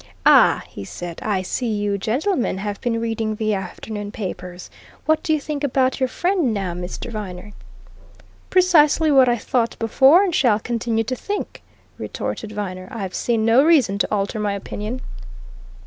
"Ah!" he said. "I see you gentlemen have been reading the afternoon papers! What do you think about your friend now, Mr. Viner?" "Precisely what I thought before and shall continue to think," retorted Viner. "I've seen no reason to alter my opinion."